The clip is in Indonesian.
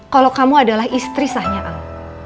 kalau kamu adalah istri sahnya al